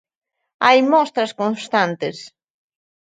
Hai mostras constantes.